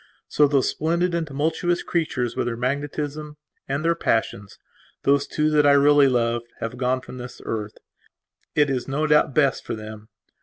So those splendid and tumultuous creatures with their magnetism and their passionsthose two that I really lovedhave gone from this earth. It is no doubt best for them.